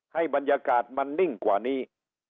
ให้บรรยากาศมันนิ่งกว่านี้